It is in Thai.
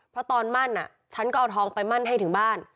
เพราะตอนมั่นฉันก็เอาทองไปมั่นให้ถึงบ้าน